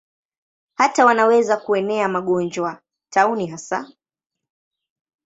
Hata wanaweza kuenea magonjwa, tauni hasa.